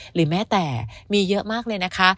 หรือแม้แต่มีเยอะมากเลยนะคะ